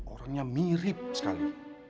orangnya mirip sekali